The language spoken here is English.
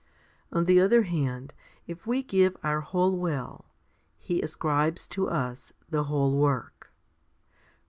On the other hand, if we give our whole will, He ascribes to us the whole work.